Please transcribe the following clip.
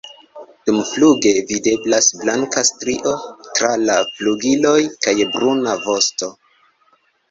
Dumfluge videblas blanka strio tra la flugiloj kaj bruna vosto.